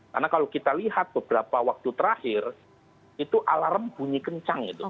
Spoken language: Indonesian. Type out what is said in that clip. karena kalau kita lihat beberapa waktu terakhir itu alarm bunyi kencang itu